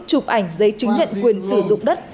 chụp ảnh giấy chứng nhận quyền sử dụng đất